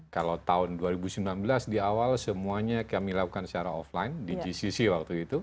kalau tahun dua ribu sembilan belas di awal semuanya kami lakukan secara offline di gcc waktu itu